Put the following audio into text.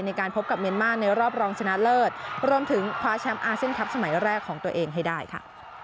ในการพบกับเมียนมาร์ในรอบรองชนะเลิศรวมถึงคว้าแชมป์อาเซียนคลับสมัยแรกของตัวเองให้ได้ค่ะ